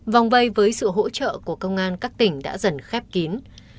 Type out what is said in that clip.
vòng vây với sự hỗ trợ của công an các tỉnh đã dần khép kín